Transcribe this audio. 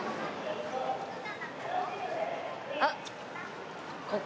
あっここ？